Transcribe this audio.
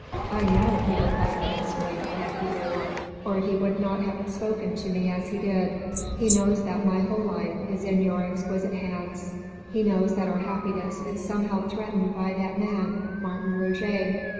"I know," he replied earnestly, "that he knew, or he would not have spoken to me as he did. He knows that my whole life is in your exquisite hands he knows that our happiness is somehow threatened by that man Martin Roget.